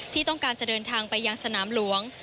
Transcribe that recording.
ที่ต้องการจะเดินทางไปยังสนามหลวง